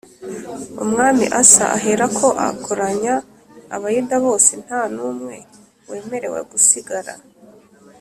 Umwami Asa aherako akoranya Abayuda bose nta n’umwe wemerewe gusigara